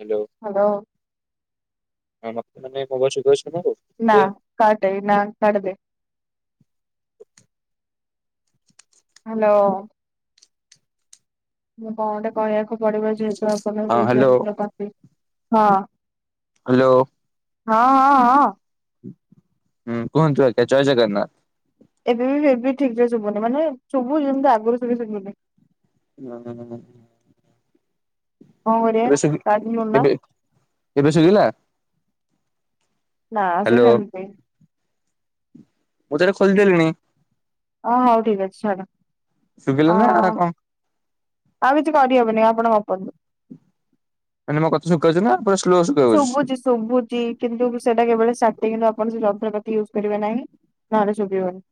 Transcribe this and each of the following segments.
Hello hello. ହଁ ମତ ମେ ମୋବ ଶଧ। ନା କାଟାଇ ନା କାଟ ଦେ- ହ୍ୟାଲୋ? ମୁଁ କଣଟେ କହିବାକୁ। ପଢିବ ଯେହେତୁ ଆପଣ ହଁ ସେ ହ୍ୟାଲୋ ଯନ୍ତ୍ରପାତି। ହଁ! ହ୍ୟାଲୋ। ହଁ ହଁ ହଁ! ହୁଁ କୁହନ୍ତୁ ଆ୍ଞା ଜୟ ଜଗନ୍ନାଥ। ଏବେ ବି ଫ ବି ଠିକ ଶୁଭୁନି ମାନେ ଶୁଭୁ ଯେମତି ଆଗରୁ ଶୁବି ଶୁଭୁନି। ହଁ ହ। ହଆ କାଲିଣ୍ଡ। ଏବେ ଏବେ ଶଖିଲା ନା ଆ ସେମତି। ମୁଁ ତରେ ଖୋଲିଦେଲିଣି। ଓ ହଉ ଠିକ ଅଛି ଛଡ। ଶୁଖିଲ ନା ଆ କଣ। ଆଉ କିଛି କରିହେବନି ଆପଣ ଗପନ୍ତୁ। ମାନେ ମୋ କଥା ଶୁଭାଯାଉଛି ନା ପୁରା ସ୍ଲୋ ଶୁଭାଯାଉଛି? ଶୁଭୁଛି ଶୁଭୁଛି କିନ୍ତୁ ସେଟା କେବେଳେ ସା କିନ୍ତୁ ଆପଣ ସେ ରନ୍ତ୍ର କତି ୟୁଜ କରିବେ ନାହିଁ ନହେଲେ ଚୋଭିବନି।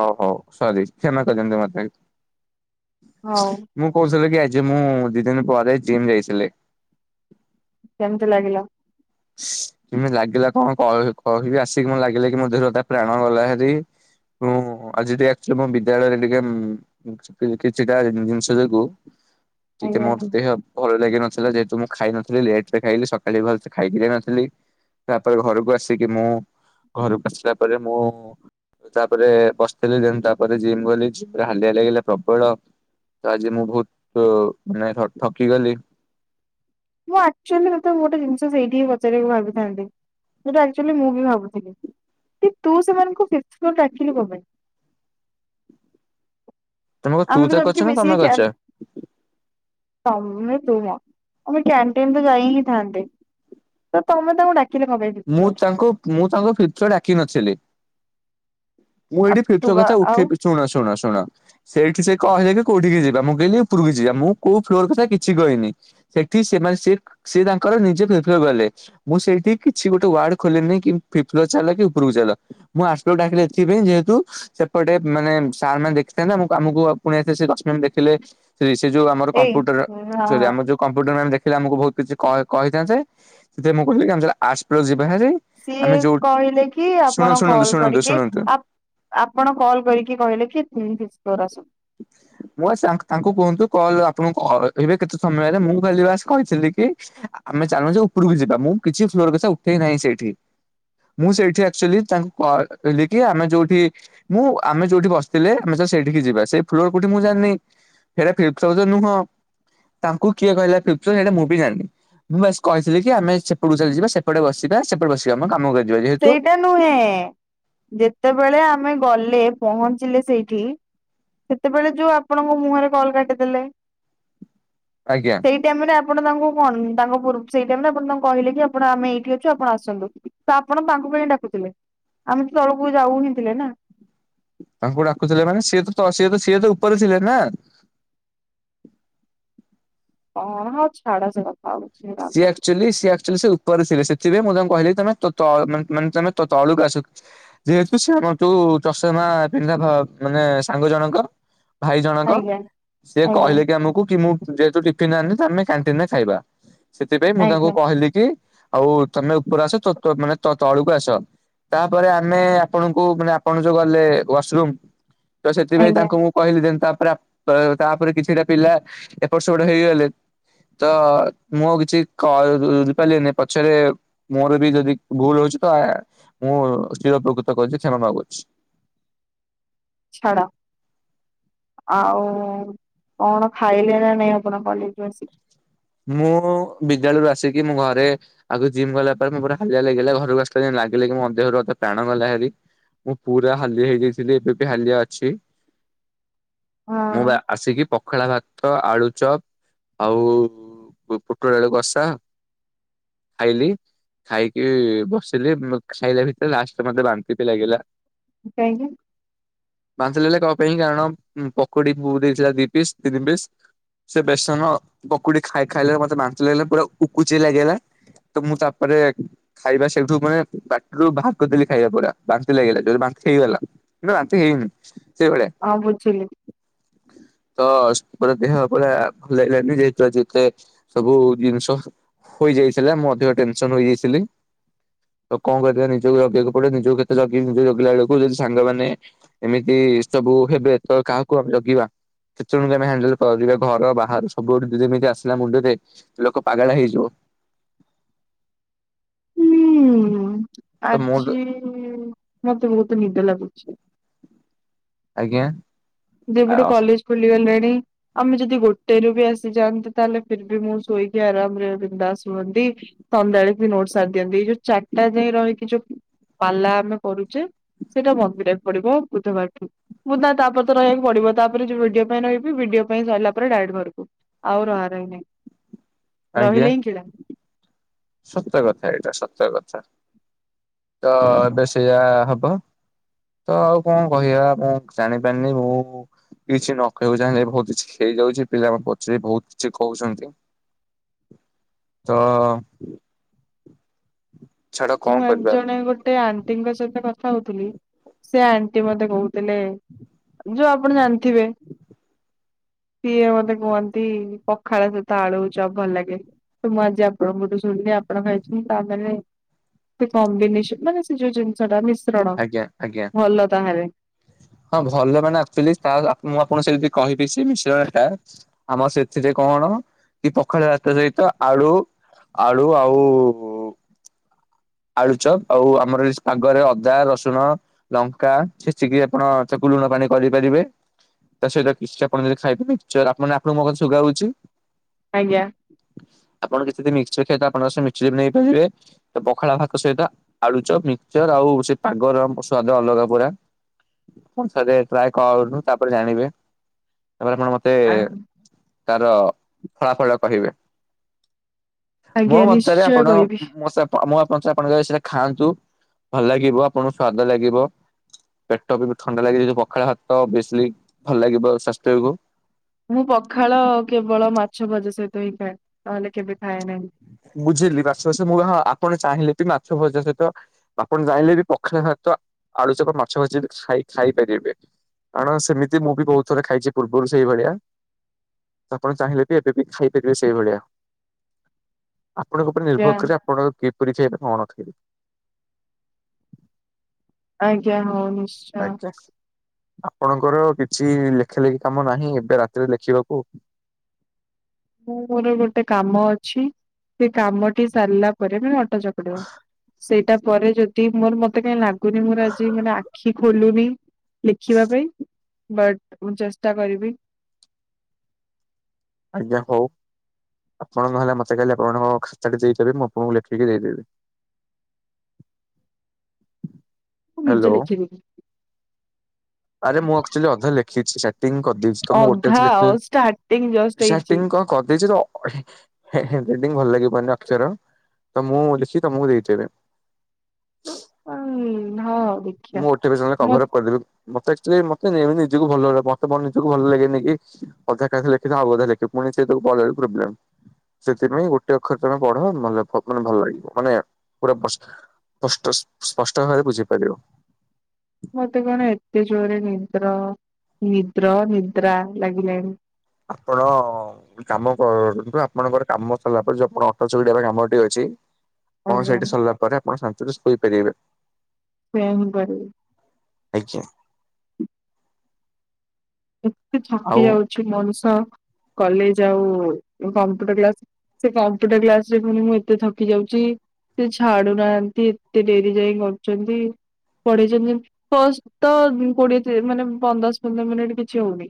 ଓଉ ହଉ ସରି କ୍ଷମା କରିଦଛନ୍ତିୁ ମତ। ହଉ ମୁଁ କହୁଥିଲି କି ଆଜି। ଯେ ମୁଁ ଦିଦିନ ପ ଯ ଜିମ୍ ଯାଇଥିଲି। କେମିତି ଲାଗିଲା। କିମ ଲାଗିଲା କଣ କ କହିବି ଆସିକି ମ ଲାଗିଲା କି ମୋ ଦେରେ ପ୍ରାଣ ଗଲା ହେରି ମୁ ଆଜି ଟିକେଚୁ ମ ବିଦ୍ୟାଳୟରେ ଟିକେ କିଛିଟା ଜିନିଷ ଯକୁୁ ଟିକେ ଆଜ୍ଞା ମୋର ଦେହ ଭଲ ଲାଗି ନଥିଲା ଯେହେତୁ ମୁଁ ଖାଇ ନଥିଲ ଲେଟ୍ ରେ ଖାଇଲି ସକାଳେ ଭଲ। ଖାଇକି ଯାଇ ନଥିଲି ତାପରେ ଘରକୁ ଆସିକି ମୁଁ ଘରକୁ ଆସିଲା ପରେ ମୁଁ ତାପରେ ବସିଥିଲି ଦେ ତାପରେ ଜିମ୍ ଗଲି ଜିମରେ ହାଲିଆ ଲାଗିଲା ପ୍ରବଳ ତ ଆଜି ମୁଁ ବହୁତ ମାନେ ଠକି ଗଲି। ମୁଁ ଆକ୍ଚୁଆଲି ତତେ ଗୋଟ ଜିନି ସେଠି କ ପଚାରକୁ ଭାବିଥାନ୍ତି। ସେଟାଚୁ ମୁଁ ବି ଭାବୁଥିଲି କି ତୁ ସେମାନଙ୍କୁ ଫଡାିଲୁ କ ପାଇଁ। ତମକୁ ତୁ ଆମେ ତ ତା ଜମକି ଅଛ ନା ମିଶିକି ତମେ କ୍ୟା କରଛ। ତମେ ତୁମ ଆମେ କ୍ୟାଣ୍ଟିନ ତ ଯାଇ ହିଁ ଥାନ୍ତେ ତ ତମେ ତାଙ୍କୁ ଡା। ମୁଁ ତାଙ୍କୁ ମୁଁ ତାଙ୍କ ଫ୍ୟଚର ଆଡାକି ନଥିଲିମ୍। ମୁଁ ଆଉ ଏଇଠି ତୁ ଫିର୍ତ ବା କଥା ଆଉ ଉଠେଇ ଶୁଣା ଶୁଣା ଶୁଣା। ସେଇଠି ସେ କହିଲେକି କୋଉଠିକି ଯିବା ମୁଁ କହିଲି ଉପରକୁ ଯିବା ମୁଁ କୋଉ ଫ୍ଲୋର କଥା କିଛି କହିନି ସେଠି ସେମାନେ ସେ ସେ ତାଙ୍କର ନିଜେ ଫ ଫ ଗଲେ ମୁଁ ସେଇଠିକି। କିଛି ଗୋଟେ ୱାର୍ଡ ଖୋଲିନି କି ଫ ଫ୍ଲୋ ଚାଲ କି ଉପରକୁ ଚାଲ ମୁଁ ଆ୍ଲର ଡାକିଲେ ଏଥିପାଇଁ ଯେହେତୁ ସେପଟେ ମାନେ ସାର୍ ମାନ ଦେଖିଥାନ୍ତତା ମୁଁ କମକୁ ପୁଣି ଦେଖିଲେ। ସେ ଯଉ ଆମ କମ୍ଟ ଏଇ ହଁ ଆମରଉ କମ୍ପୁଟରେ ପ ଆମକୁ ବହୁତ କିଛି କହିଥାନ୍ତ ଯେ ସେ ମୁଁ କହିବି ଆମ [unintelligible] ସିଏ କହିଲେ କି ଆପଣ ଶୁଣନ୍ତୁ ଶୁଣନ୍ତୁ କଲ ଶୁଣନ୍ତୁ କରିକି ଶୁଣନ୍ତୁ ଆପଣ କଲ୍ କରିକି କହିଲେ କି [unintelligible] ଆସ। ମୁଁ ଆ ତାଙ୍କୁ କୁହନ୍ତୁ କଲ ଆପଣଙ୍କୁ କହେ କେତେ ସମୟ ହେଲେ ମୁଁ ଖାଲି ବାସ କହିଥିଲି କି ଆମେ ଚାଲୁଛ ଉପରକୁ ଯିବା ମୁଁ କିଛି ଫ୍ଲୋର କଥା ଉଠେଇ ନାହିଁ ସେଇଠି ମୁଁ ସେଇଠି ଆଚୁଆଲି ତାଙ୍କୁ କହି କି ଆମେ ଯୋଉଠି ମୁଁ ଆମେ ଯୋଉଠି ବସିଥିଲେ ଆମେ ସେଠି ଯିବା ସେ ଫ୍ଲୋର କୋଠି ମୁଁ ଜାନି ସେଇଟା [unintelligible] ନୁହଁ ତାଙ୍କୁ କିଏ କିହିଲା [unintelligible] ସେଟା ମୁଁ ବି ଜାଣିନି ମୁଁ ବାସ କହିଥିଲି କି ଆମେ ସେପଟକୁ ଚାଲ ଯିବା ସେପଟେ ବସିବା ସେପଟେ ବସିବା ଆମେ କାମ କର ସେଇଟା ନୁହେଁ ଯେତେବେଳେ ଆମେ ଗଲେ ପହଞ୍ଚିଲେ ସେଇଠି। ସେତେବେଳେ ଯୋଉ ଆପଣଙ୍କ ମୁହଁରେ କଲ କାଟିଦେଲେ। ଆଜ୍ଞା ସେଇ ଟାଇମ ରେ ଆପଣ ତାଙ୍କୁ କଣ ତାଙ୍କ ପୂର୍ବୁ ସେଇ ଟାଇମଟା ତାଙ୍କୁ କହିଲି କି ଆପଣ ଆମେ ଏଇଠି ଅଛୁ ଆପଣ ଆସନ୍ତୁ ତ ଆପଣ ତାଙ୍କୁ କାଇଁ ଡାକୁଥିଲେ ଆମେ ତଳକୁ ଯାଉ ହୁଁ ଥିଲେ ନା। ତାଙ୍କୁ ଡାକୁଥିଲେ ମାନେ ସିଏ ତ ସ ତ ସିଏ ତ ଉପରେ ଥିଲେ ନା। ହ ହଉ ଛାଡ ସେକଥା। ସିଏ ଆକ୍ଚୁଆଲି ସିଏ ଆକ୍ଚୁଆଲି ସ କରିଥିଲେ ସେଥିପାଇଁ କହିଲି ତ ତ ମାନେ ମାନେ ତଳକୁ ଆସ ଯେହେତୁ ସେ ଆମ ଯୋଉ ଚଷମାପିନ୍ଧା ମାନେ ସାଙ୍ଗଜଣଙ୍କ ଭାଇ ଜଣକ ଆଜ୍ଞା ସିଏ ଆଜ୍ଞା କହିଲେ କି ଆମକୁ ଯେହେତୁ ଟିଫିନ ଆଣିନି ତ ଆମେ କ୍ୟାନ୍ଟିନରେ ଖାଇବା। ସେଥିପାଇଁ ମୁଁ ତାଙ୍କୁ ଆଜ୍ଞା କହିଲି କି ଆଉ ତମେ ଉପରେ ଆସ ତ ତ ତଳକୁ ଆସ ତାପରେ ଆମେ ଆପଣଙ୍କୁ ଆପଣ ଯୋଉ ଗଲେ ୱାସରୁମ୍। ତ ସେଥିପାଇଁ ଆଜ୍ଞା ତାଙ୍କୁ ମୁଁ କହିଲି ଯେନ୍ତା ପୁରା ତାପରେ କିଛିଟା ପିଲା ଏପଟ ସେପଟ ହେଇଗଲେ ତ ମୁଁ ଆଉ କିଛି କ ବୁଝିପାରିଲିନି ପଛରେ ମୋର ବି ଯଦି ଭୁଲ୍ ରହୁଚି ମୁଁ ଚିରପକୁତ କରି କ୍ଷମା ମାଗୁଚି। ଛାଡ ଆଉ କଣ ଖାଇଲେ ନା ନାଇଁ ଆପଣ କଲେଜରୁ ଆସିକି? ମୁଁ ବିଦ୍ୟାଳୟରୁ ଆସିକି ମୁଁ ଘରେ ଆଗ ଜିମ ଗଲାପରେ ହାଲିଆ ଲାଗିଲା ଘରେ ବସିଲା ପରେ ଲାଗିଲା ମୋ ଦେହରୁ ପ୍ରାଣ ଗଲାଭାରି ମୁଁ ପୁରା ହାଲିଆ ହେଇଯାଇଥିଲି ଏବେବି ହାଲିଆ ଅଛି। ମୁଁ ହଁ ବା ଆସିକି ପଖାଳ ଭା ଆଳୁ ଚପ ଆଉ ପୁଟଆଳୁ କଷା ଖାଇଲି ଖାଇକି ବସିଲି ଖାଇଲା ଭିତରେ ଲାଷ୍ଟରେ ମତେ ବାନ୍ତି ବି ଲାଗିଲା। କାଇଁ ଯେ ବାନ୍ତି ଲାଗିଲା କଣ ପାଇଁ କାରଣ ପକୁଡ଼ିକୁ ଦେଇଥିଲା ଦି ପିସ୍ ତିନି ପିସ୍ ସେ ବେସନ ପକୁଡ଼ି ଖାଇଲା ବେଳେ ମତେ ବାନ୍ତି ଲାଗିଲା ପୁରା ଉପୁଜେ ଲାଗିଲା ମୁଁ ତାପରେ ଖାଇବା ସେଇଠୁ ମାନେ ପାଟିରୁ ବାହାର କରିଦେଲି ଖାଇବା ପୁରା ବାନ୍ତି ଲାଗିଲା ବାନ୍ତି ହେଇଗଲା କିନ୍ତୁ ବାନ୍ତି ହେଇନି। ସେଇଭଳିଆ ହଁ ବୁଝିଲି। ତ ଦେହ ପୁରା ଲେଜିମି ହେଇଯାଇଥିଲା ଯେତେ ସବୁ ଜିନିଷ ହୋଇଯାଇଥିଲା ମୁଁ ଅଧିକ ଟେନସନ୍ ହୋଇଯାଇଥିଲି ତ କଙ୍ କରିବା ନିଜକୁ ଜଗିବାକୁ ପଡ଼ିଅ ନିଜକୁ କେତେ ଜଗିବି ନିଜକୁ ଜଗିଲା ବେଳେ ସାଙ୍ଗମାନେ ଏମିତି ସବୁ ହେବେ ତ କାହାକୁ ଆଉ ଜଗିବା। କେତେଜଣକୁ ଆମେ ହ୍ୟାଣ୍ଡଲେ କରିବା ଘର ବାହାର ସବୁଆଡୁ ଯେମିତି ଆସିଲା ମୁଣ୍ଡରେ ଲୋକ ପାଗେଲା ହେଇଯିବ। ହୁଁ ତ ମୁଁ ଆଜି ମତେ ବହୁତ ନି ହେଲା ପୁଛି। ଆଜ୍ଞା। ଯେବେଠୁ ଅହ କଲେଜ୍ ଖୋଲିଗଲା ଆମେ ଯଦି ଗୋଟେରୁ ବି ଆସିଯାନ୍ତି ତାହେଲେ ଫିର୍ ବି ମୁଁ ସୋଇକି ଆରାମରେ ବିନ୍ଦାସ ରୁହନ୍ତି ସନ୍ଧ୍ୟା ବେଳେ ନୋଟ୍ ସାରିଦିଅନ୍ତି ଏଇ ଯୋଉ ଚାରିଟା ଯାଏଁ ରହିକି ଯୋଉ ପାଲା ଆମେ କରୁଚେ ସେଇଟା ବନ୍ଦ କରିବାକୁ ପଡିବ ବୁଧବାରଠୁ ମୁଁ ତ ତା ରହିବାକୁ ପଡ଼ିବ ତା ପରେ ଯୋଉ ଭିଡିଓ ପାଇଁ ରହିବି ଭିଡିଓ ପାଇଁ ସରିଲା ପରେ ଡାଇରେକ୍ଟ ଘରକୁ ଆଉ ରହା ରହି ନାହିଁ। ଆଜ୍ଞା। ରହିଲେ ହିଁ କିଳା। ସତ କଥା ଏଇଟା ସତ କଥା ତ ସେଇଆ ହବ ତ ଆଉ କଣ କହିଆ ମୁଁ ଜାଣିପାରିନି ମୁଁ କିଛି ନ କହିବାକୁ ଚାହିଁଲେ ବହୁତ୍ କିଛି ହେଇଯାଉଚି ପିଲା ପଛରେ ବହୁତ କିଛି କହୁଛନ୍ତି ତ। ଛାଡ କଣ ମୁଁ ଏକ କରିବା ଜଣେ ଗୋଟେ ଆଣ୍ଟିଙ୍କ ସହିତ କଥା ହଉଥିଲି। ସେ ଆଣ୍ଟି ମତେ କହୁଥିଲେ ଯୋଉ ଆପଣ ଜାଣି। ଥିବେ। ସିଏ ମତେ କୁହନ୍ତି ପଖାଳ ସହିତ ଆଳୁଭଜା ଭଲ ଲାଗେ ମୁଁ ଆଜି ଆପଣଙ୍କଠୁ ଶୁଣିଲି ଆପଣ ଖାଇଛନ୍ତି ତ ଆମେ ଖାଇବୁ। ସେ କମ୍ୱିନେସନ ଟା ମାନେ ସେ ଯୋଉ ଜିନିଷ ଟା। ଶ୍ରଣ ଆଜ୍ଞା ଆଜ୍ଞା। ଭଲ ତାହାରେ। ହଁ ଭଲ ମାନେ ଆକ୍ଚୁଆଲି ମୁଁ ଆପଣଙ୍କୁ ସେି କହିବି ସେ ମିଶ୍ରଣ ଟା ଆମର ସେଥିରେ କଣ କି ପଖାଳ ସହିତ ଆଳୁ ଆଳୁ ଆଉ ଆଳୁ ଚପ ଆଉ ଆମର ପାଗରେ ଅଦା ରସୁଣ ଲଙ୍କା ଛେଚିକି ଆପଣ ତାକୁ ଲୁଣ ପାଣି କରିପାରିବେ ତା ସହିତ କିଛି ଆପଣ ଯ ଖାଇିବେ [unintelligible] ଆପଣଙ୍କ ମୋ ସୁଗାର ହଉଛି? ଆଜ୍ଞା ଆପଣ କିଛି ଯଦି ମିକ୍ସଚର ଖିଆ ଆପଣଙ୍କ ମିକ୍ଚର ବି ନେଇପାରିବେ ତ ପଖାଳ ଭାଗ ସହିତ ଆଳୁଚପ ମିକ୍ସଚର ଆଉ ସେ ପାଗର ସ୍ୱାଦ ଅଲଗା ପୁରା। ପୁଣି ଥରେ ଟ୍ରାଏ କଅନ୍ତୁ ତାପରେ ଜାଣିବେ। ତାପରେ ଆପଣ ମତେ ଆ ତାର ଫଳାଫଳ କହିବେ। ମୋ ଆଜ୍ଞା ମତରେ ନିଶ୍ଚୟ ଆପଣ କହିବି। ମୋ ସ ଆପଣ ମୋ ଆପ ଆପଣ ଯଦି ସେଟା ଖାଆନ୍ତୁ ଭଲ ଲାଗିବ ଆପଣଙ୍କୁ ସ୍ଵାଦ ଲାଗିବ ପେ ଟ ଥଣ୍ଡା ଲାଗବ ପଖାଳ ଭାତ ବେଶିଲ ଭଲ ଲାଗିବ ସ୍ୱାସ୍ଥ୍ୟକୁ ମୁଁ ପା ନହେଲେ କେବେ ଖାଏ ନାହିଁ। ବୁଝିଲି [unintelligible] ମୁଁ ଜଣ ଆ ଆପଣ ଚାହିଁଲେ ବି ମାଛ ଭଜା ସହିତ ଆପଣ ଚାହିଁଲେ ବି ପଖାଳ ସହିତ ଆଳୁଚକ ମାଛ ଭଜି ଖାଇ ଖାଇପାରିବେ କାରଣ ସେମିତି ମୁଁ ବି ବହୁତ ଥରେ ଖାଇଛି ପୂର୍ବରୁ ସେଇଭଳିଆ ଆପଣ ଚାହିଁଲେ ବି ଏବେ ବି ଖାଇପାରିବେ ସେଇଭଳିଆ। ଆପଣଙ୍କ ଉପରେ ଆଜ୍ଞା ନିର୍ଭର କରିବ ଆପଣଙ୍କ କେ ତୁରିଚ ଫଣ ଅଛିକି? ଆଜ୍ଞା ହଉନି ଆଛା ଆପଣଙ୍କର କିଛି ଲେଖା ଲେଖି କାମ ନାହିଁ ଏବେ ରାତିରେ ଲେଖିବାକୁ। ମୁଁ ମୋର ଗୋଟେ କାମ ଅଛି ସେ କାମଟି ସାରିଲା ପରେ ମ [unintelligible] ସେଇଟା ପରେ ଯଦି ମୋର ମତେ କାଇଁ ଲାଗୁ ପୁଣି ମୋର ଆଜି ମାନେ ଆଖି ଖୋଲୁନି ଲେଖିବା ପାଇଁ ବଟ ମୁଁ ଚେଷ୍ଟା କରିବି ଆଜ୍ଞା ହଉ ଆପଣ ନହେଲେ ମତେ କାଲି ଆପଣଙ୍କ ଖାତାଟି ଦେଇଦେବେ ମୁଁ ଆପଣଙ୍କୁ ଲେଖିକି ଦେଇଦେବି। ମୁଁ ନିଜେ ହ୍ୟାଲୋ। ଲେଖିବି। ଆରେ ମୁଁ ଆଚୁଆଲି ଅଧା ଲେଖିଛି ସେଟିଂ କରିଦେଇଛି ତ ମୁଁ ଗୋଟେ ଅଧା ଅଛି ଲେଖି ଆଉ ଷ୍ଟାର୍ଟିଂ ଜଷ୍ଟ ହେଇଛି ସେଟିଂ କଣ କରିଦେଇଛି। ହ୍ୟାଡ୍ରାରଟିଙ୍ଗ ଭଲ ଲାଗିପାରୁନି ଅକ୍ଷର ତ ମୁଁ ଲେଖିକି ତମକୁ ଦେଇଥବେ। ହଁ ଦେଖିବା ମୁଁ ଓଟିସ ମ କଭରଅପ୍ କରିଦେବି। ମତେ ଆଚୁଲି ମତେ ନିଜକୁ ଭଲ ଲ ମତେ ନିଜକୁ ଭଲ ଲାଗେନକି ଅଧା କାଥା ଲେଖି ଆଉ ଅଧା ଲେଖେ ପୁଣି ସେଲ ପ୍ରୋବ୍ଲେ ସେଥିପାଇଁ ଗୋଟେ ଅକ୍ଷରରେ ତମେ ପଢ ମ ଭଲ ଲାଗିବ ମାନେ ପୁର ସ୍ପଷ୍ଟ ପଷ୍ଟ ସ୍ପଷ୍ଟ ଭାବରେ ବୁଝିପାରିବ। ମତେ କଣ ଏତେ ଜୋରରେ ନିଦ୍ର ନିଦ୍ର ନିଦ୍ରା ଲାଗିଲାଣି। ଆପଣ ଗୋଟେ କାମ କରନ୍ତୁ ଆପଣଙ୍କର କାମ ସରିଲା ପରେ ଯୋଉ ଆପଣ ଅଟା ଚକଟିବା କାମଟି ଅଛି ଆଉ କଣ କଣ ସେଇଠି ସରିଲା ପରେ ଆପଣ ସା [unintelligible] ପାଇପାରିବେ। ସେ ହୁଁ ବଢ ଆଜ୍ଞା। ଏତେ ଆଉ ଥକି ଯାଉଛି ମଣିଷ କଲେଜ ଆଉ କମ୍ପ୍ୟୁଟର କ୍ଲାସ ସେ କଂପ୍ୟୁଟର କ୍ଲାସରେ ଫୁଣି ଏତେ ଥକି ଯାଉଛି ସେ ଛାଡୁନାହାନ୍ତି ଏତେ ଡେରି ଯାଇ କରୁଛନ୍ତି ପଢେଇଛନ୍ତି ଫଷ୍ଟ ତ କୋଡିଏ ମାନେ ପନ୍ଦଶ ପନ୍ଦର ମିନିଟ। ଇଚ୍ଛା ହୋଇନି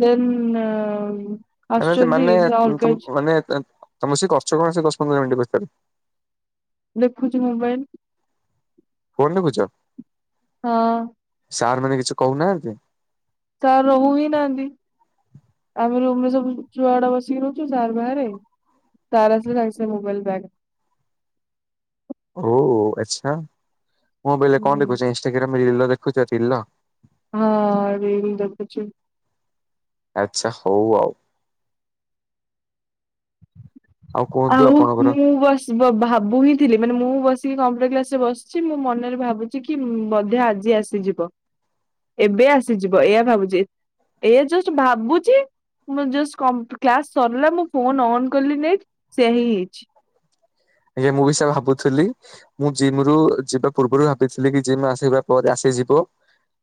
ଦେନ୍ ନ ଆସୁଛନ୍ତି ମାନେ ସେ ଅଲଗା ମାନେ ତମେ ସେ କରୁଛ କଣ ସେ ଦଶ ପନ୍ଦର ମିନିଟ୍ ଭିତରେ? ଦେଖୁଛି ମୋବାଇଲ। ଫୋନ ଦେଖୁଛ? ହଁ। ସାର୍ ମାନେ କିଛି କହୁନାହାନ୍ତି? ସାର୍ ରହୁ ହିଁ ନାହାନ୍ତି ଆମେ ରୁମରେ ସବୁ ଛୁଆଡେ ବସିକି ରହୁଛୁ ସାର୍ ବାହାରେ। ସାର୍ ଆସିଲେ ସାଙ୍ଗେ ସାଙ୍ଗେ ମୋବାଇଲ ବ୍ୟାଗ୍ ରେ। ଓ ଆଚଛା। ମୁଁ ବୋଇଲେ କଣ ଦେଖୁଛ? ଇନ୍ଷ୍ଟାଗ୍ରାମ ରେ ରିଲ୍? ଦେଖୁଥିଲ। ହଁ ରିଲ୍ ଦେଖୁଚି। ଆଛା ହଉ ଆଉ। କୁହନ୍ତୁ ଆଉ ଆପଣଙ୍କର ମୁଁ ବସ ଭାବୁ ହିଁ ଥିଲି ମାନେ ମୁଁ ବସ କମ୍ପୁ କ୍ଲାସ ରେ ବସିଛି ମୁଁ ମନରେ ଭାବୁଛି କି ବୋଧେ ଆଜି ଆସିଯିବ। ଏବେ ଆସିଯିବ ଏ ଭାବୁଛି ଏ ଭାବୁଛି ମୁ କ୍ଲାସ ସରିଲା ମୁଁ ଫୋ କଲି ନ ସେଆ ହଁ ହେଇଛି। ଆଜ୍ଞା ମୁଁ ବି ସେ ଭାବୁଥିଲି ମୁଁ ଜିମ ରୁ ଯିବା ପୂର୍ବରୁ ଭାବିଥିଲି କି ଜିମ୍ ଆସିବା ପରେ ଆସିଯିବ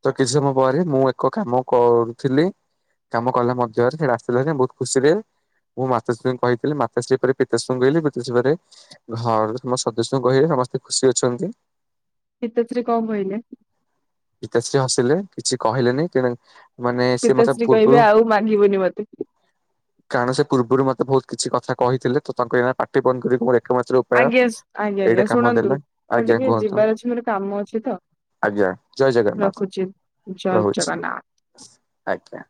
ତ କିଛି ସମୟ ପରେ ମୁଁ ଏକ କାମ କରୁଥିଲି କାମ କଲା ମଧ୍ୟରେ ସେଇଟା ଆସିଥିଲା ବହୁତ ଖୁସିରେ ମୁଁ ମାତାଶ୍ରୀଙ୍କୁ କହିଥିଲି ମାତାଶ୍ରୀ ପରେ ପିତାଶ୍ରୀଙ୍କୁ କହିଲି ପିତାଶ୍ରୀ ପରେ ଘର ତ ସଦସ୍ୟଙ୍କୁ କହିଲେ ସମସ୍ତେ ଖୁସି ଅଛନ୍ତି। ପିତାଶ୍ରୀ କଣ କହିଲେ? ପିତାଶ୍ରୀ ହସିଲେ କିଛି କହିଲେନି କିନା ପୀତାଶ୍ରୀ କହିବେ ଆଉ ମାଗିବୁନି ମତେ। କାରଣ ସେ ପୂର୍ବରୁ ମତେ ବହୁତ କିଛି କଥା କହିଥିଲେ ତ ତାଙ୍କୁ ଏଇ ପାଟି ବନ୍ଦ କରି ପଳେ ଆଜ୍ଞା ଆଜ୍ଞା ଆଜ୍ଞା ଶୁଣନ୍ତୁ ଦେଲା ମୁ ଆଜ୍ଞା ଟିକେ କୁହନ୍ତୁ ଯିବାର ଅଛି ମୋର କାମ ଅଛି ତ ଆଜ୍ଞା ଜୟ ଜଗନ୍ନାଥ ରଖୁଛି ଜୟ ରହୁଛି ଜଗନ୍ନାଥ। ଆଜ୍ଞା।